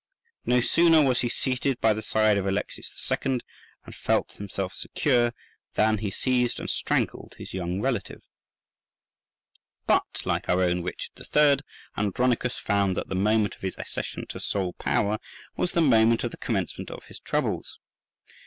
No sooner was he seated by the side of Alexius II., and felt himself secure, than he seized and strangled his young relative . But, like our own Richard III., Andronicus found that the moment of his accession to sole power was the moment of the commencement of his troubles.